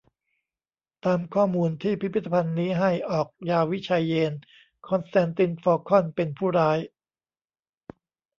ตามข้อมูลที่พิพิธภัณฑ์นี้ให้ ออกญาวิไชเยนทร์ คอนสแตนติน ฟอลคอน เป็นผู้ร้าย